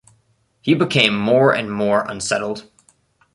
He became more and more unsettled.